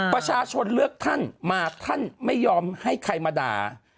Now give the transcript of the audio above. ประชาชนเลือกท่านมาท่านไม่ยอมให้ใครมาด่า